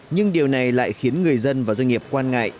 nhưng điều này lại khiến người dân và doanh nghiệp quan ngại